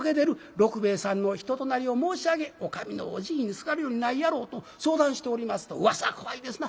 六兵衛さんの人となりを申し上げお上のお慈悲にすがるよりないやろう」と相談しておりますとうわさは怖いですな。